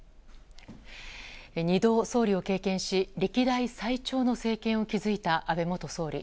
２度、総理を経験し歴代最長の政権を築いた安倍元総理。